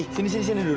sini sini duduk